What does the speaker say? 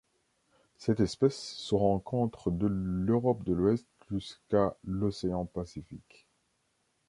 Cette espèce se rencontre de l'Europe de l'Ouest jusqu'à l'océan Pacifique.